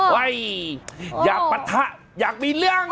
เฮ่ยอยากปัชธะอยากมีเรื่อง